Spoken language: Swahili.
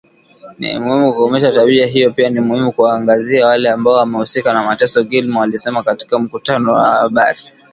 Ni muhimu kukomesha tabia hiyo pia ni muhimu kuwaangazia wale ambao wamehusika na mateso Gilmore alisema katika mkutano na wanahabari